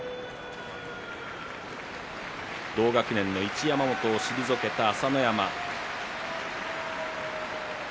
同学年の一山本を退けた朝乃山。